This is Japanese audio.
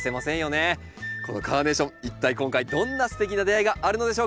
このカーネーション一体今回どんなすてきな出会いがあるのでしょうか。